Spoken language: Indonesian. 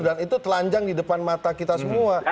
dan itu telanjang di depan mata kita semua